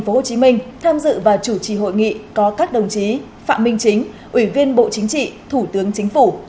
phạm minh chính ủy viên bộ chính trị thủ tướng chính phủ